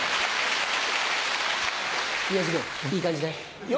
宮治君いい感じだよ。